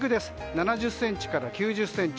７０ｃｍから９０ｃｍ。